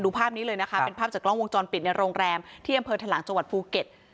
ภาพนี้เลยนะคะเป็นภาพจากกล้องวงจรปิดในโรงแรมที่อำเภอทะลังจังหวัดภูเก็ต